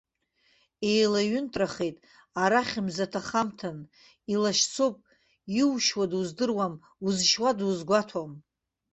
Еилаҩынтрахеит, арахь, мзаҭахамҭан, илашьцоуп, иушьуа дуздыруам, узшьуа дузгәаҭом.